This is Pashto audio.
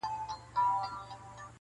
• واک د زړه مي عاطفو ته ور کی یاره,